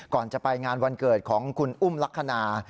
ก่อนจะไปงานวันเกิดของคุณอุ้มลักษณะ